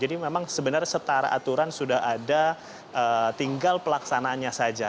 jadi memang sebenarnya setara aturan sudah ada tinggal pelaksanaannya saja